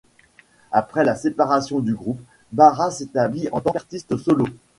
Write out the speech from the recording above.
Après la séparation du groupe, Barât s'établit en tant qu'artiste solo.